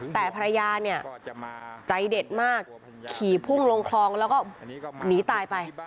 แต่ภรรยาเนี่ยใจเด็ดมากขี่พุ่งลงคลองแล้วก็หนีตายไป